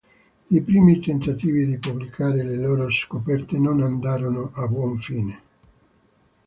I primi tentativi di pubblicare le loro scoperte non andarono a buon fine.